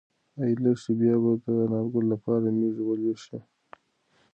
ایا لښتې به بیا د انارګل لپاره مېږې ولوشي؟